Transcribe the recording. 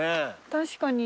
確かに。